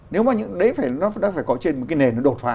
nếu mà nó phải có trên một cái nền nó đột phá